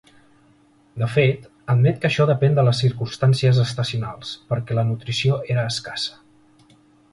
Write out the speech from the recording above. De fet, admet que això depèn de les circumstàncies estacionals, perquè la nutrició era escassa.